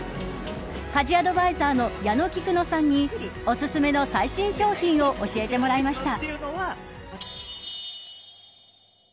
家事アドバイザーの矢野きくのさんにおすすめの最新商品を教えてもらいました。